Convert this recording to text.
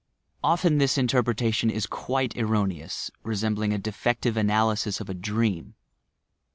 Often this interpretation is quite erroneous, resembling a de fective analysis of a dream.